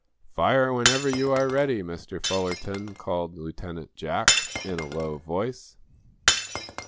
"Fire whenever you are ready, Mr. Fullerton," called Lieutenant Jack, in a low voice.